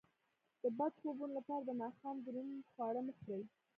د بد خوبونو لپاره د ماښام دروند خواړه مه خورئ